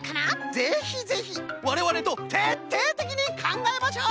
ぜひぜひわれわれとてっていてきにかんがえましょう！